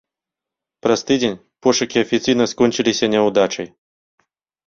Праз тыдзень пошукі афіцыйна скончыліся няўдачай.